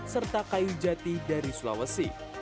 serta kayu jati dari sulawesi